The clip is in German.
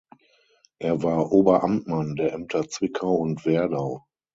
Er war Oberamtmann der Ämter Zwickau und Werdau.